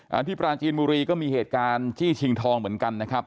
ที่ปราจีนบุรีก็มีเหตุการณ์จี้ชิงทองเหมือนกันนะครับ